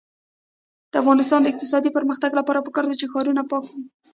د افغانستان د اقتصادي پرمختګ لپاره پکار ده چې ښارونه پاک وي.